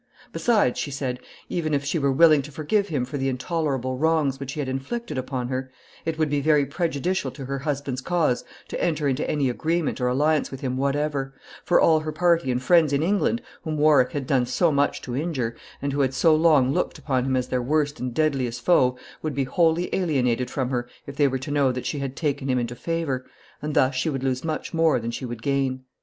] "Besides," she said, "even if she were willing to forgive him for the intolerable wrongs which he had inflicted upon her, it would be very prejudicial to her husband's cause to enter into any agreement or alliance with him whatever; for all her party and friends in England, whom Warwick had done so much to injure, and who had so long looked upon him as their worst and deadliest foe, would be wholly alienated from her if they were to know that she had taken him into favor, and thus she would lose much more than she would gain."